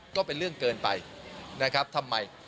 ก็เป็นเรื่องเกินไปนะครับทำไม